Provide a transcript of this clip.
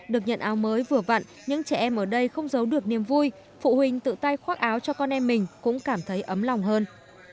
được nhận áo mới vừa vặn những trẻ em ở đây không giấu được niềm vui phụ huynh tự tay khoác áo cho con em mình cũng cảm thấy ấm lòng hơn